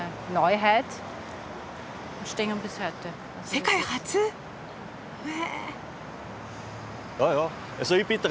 世界初！へ。